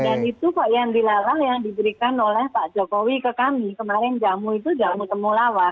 dan itu kok yang dilalang yang diberikan oleh pak jokowi ke kami kemarin jamu itu jamu temulawak